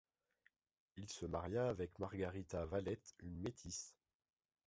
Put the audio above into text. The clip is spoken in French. Il se maria avec Margarita Vallette, une métisse.